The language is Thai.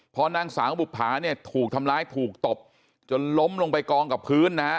พอนางสาวบุภาเนี่ยถูกทำร้ายถูกตบจนล้มลงไปกองกับพื้นนะฮะ